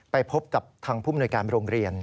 ไปพบกับทางผู้มนวยการโรงเรียน